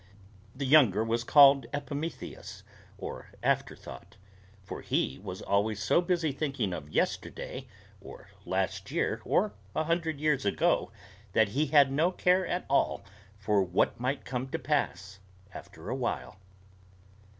The younger was called Epimetheus, or Afterthought; for he was always so busy thinking of yesterday, or last year, or a hundred years ago, that he had no care at all for what might come to pass after a while.